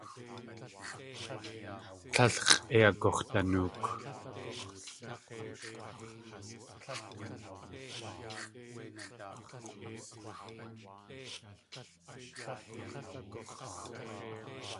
Tlél x̲ʼéi agux̲danook.